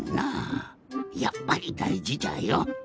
やっぱりだいじじゃよ。